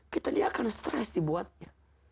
kita akan stres dibuatnya